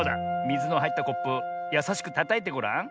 みずのはいったコップやさしくたたいてごらん。